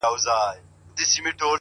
دا تُرابان دی د بدریو له داستانه نه ځي -